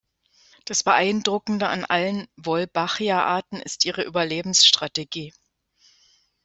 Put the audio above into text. Das Beeindruckende an allen "Wolbachia"-Arten ist ihre Überlebensstrategie.